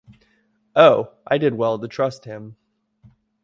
Oh, I did well to trust him.